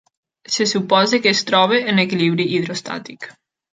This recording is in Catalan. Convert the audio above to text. Se suposa que es troba en equilibri hidrostàtic.